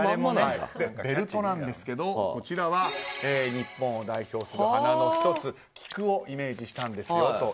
ベルトなんですけどこちらは日本を代表する花の１つ、菊をイメージしたんですよと。